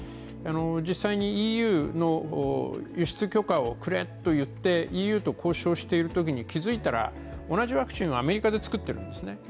実際にＥＵの輸出許可をくれと言ってＥＵと交渉しているときに、気付いたら同じワクチンをアメリカで作っているんですね。